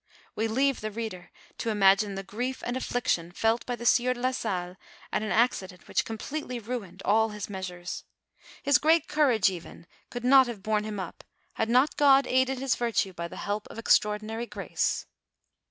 We leave the reader to im agine the grief and affliction felt by the sieur de la Salle at an accident which completely ruined all his measures. His great courage even could not have borne him up, had not God aided his virtue by the help of extraordinary grace.